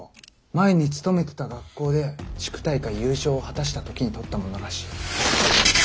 前に勤めてた学校で地区大会優勝を果たした時に撮ったものらしい。